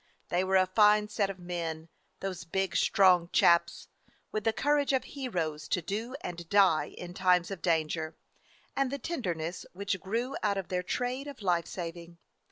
They were a fine set of men, those big, strong chaps, with the courage of heroes to do and die in times of danger, and the tender ness which grew out of their trade of life saving.